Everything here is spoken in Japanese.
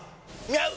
合う！！